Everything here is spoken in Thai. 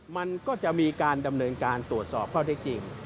มันก็จะมีการดำเนินการตรวจสอบข้อเท็จจริง